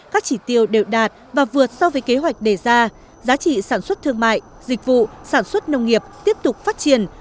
các chỉ tiêu đều đạt và vượt so với kế hoạch đề ra giá trị sản xuất thương mại dịch vụ sản xuất nông nghiệp tiếp tục phát triển